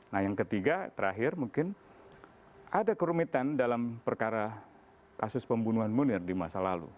nah yang ketiga terakhir mungkin ada kerumitan dalam perkara kasus pembunuhan munir di masa lalu